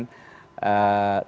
tadi sama sama menghormati